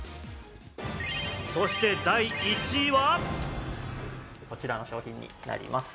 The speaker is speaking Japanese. そして第１位は。